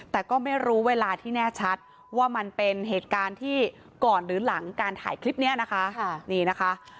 แต่ก็ไม่รู้เวลาที่แน่ชัดว่ามันเป็นเหตุการณ์ที่ก่อนหรือหลังการถ่ายคลิปนี้นะคะนี่นะคะ